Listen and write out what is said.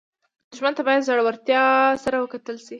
دښمن ته باید زړورتیا سره وکتل شي